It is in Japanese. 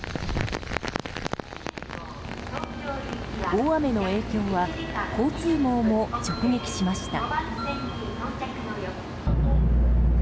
大雨の影響は交通網も直撃しました。